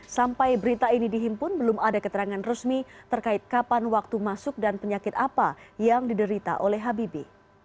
sampai berita ini dihimpun belum ada keterangan resmi terkait kapan waktu masuk dan penyakit apa yang diderita oleh habibi